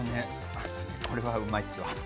これはうまいですわ。